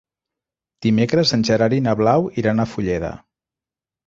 Dimecres en Gerard i na Blau iran a Fulleda.